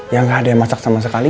ya gak ada yang masak sama sekali